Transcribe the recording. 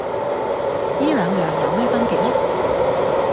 依兩樣有咩分別呢？